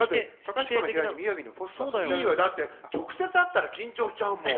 だって直接会ったら緊張しちゃうもん。